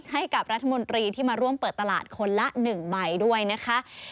ให้กับรัฐมนตรีที่มาร่วมเปิดตลาดคนละ๑ใบด้วยนะคะ